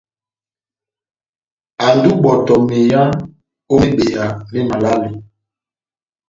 Andi ó ibɔtɔ meyá ó mebeya mé malale.